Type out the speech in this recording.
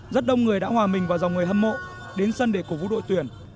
rất đông người đã hòa mình vào dòng người hâm mộ đến sân để cổ vũ đội tuyển